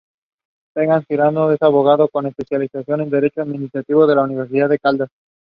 Emory was active in Dallas politics.